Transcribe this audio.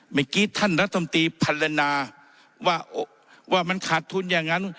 เมื่อกี้ท่านรัฐมนตรีพัฒนาว่ามันขาดทุนอย่างนั้น